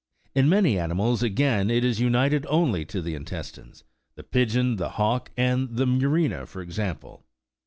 In many animals, again, it is united only to the intestines, the pigeon, the hawk, and the murena, for example.